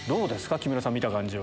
木村さん見た感じは。